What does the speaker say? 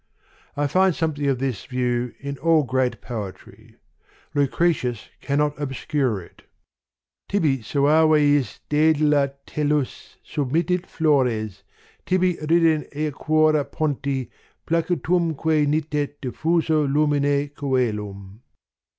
I find something of this view in all great poetry : Lucretius cannot obscure it : tibi suaveis daedala tellus Submittit flores, tibi rident aequora ponti Placatumque nitet diffuse lumine coelum.